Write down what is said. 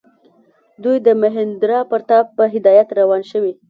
دوی د مهیندراپراتاپ په هدایت روان شوي.